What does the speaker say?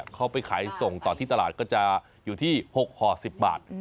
เขาไปขายส่งต่อที่ตลาดก็จะอยู่ที่๖ห่อ๑๐บาท